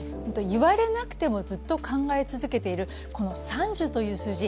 言われなくても、ずっと考え続けているこの３０という数字。